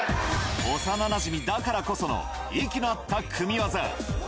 幼なじみだからこその息の合った組み技。